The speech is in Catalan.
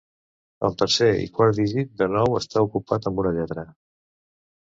El tercer i quart dígit de nou està ocupat amb una lletra.